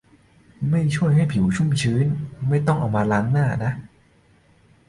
ไม่ช่วยให้ผิวชุ่มชื้น ไม่ต้องเอามาล้างหน้านะ